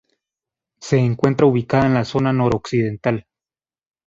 Se encuentra ubicada en la zona noroccidental.